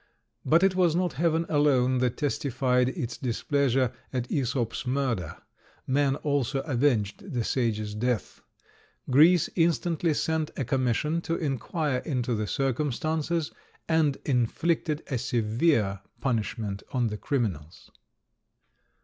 But it was not Heaven alone that testified its displeasure at Æsop's murder; man also avenged the sage's death. Greece instantly sent a commission to inquire into the circumstances, and inflicted a severe punishment on the criminals.